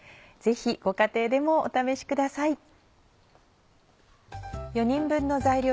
ぜひご家庭でもお試しください。